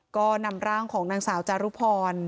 ก็นำร่างของนางสาวจารุพร